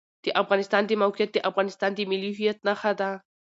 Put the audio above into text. د افغانستان د موقعیت د افغانستان د ملي هویت نښه ده.